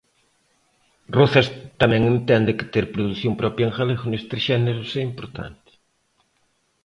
Rozas tamén entende que "ter produción propia en galego nestes xéneros é importante".